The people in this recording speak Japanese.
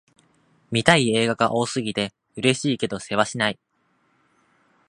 見たい映画が多すぎて、嬉しいけどせわしない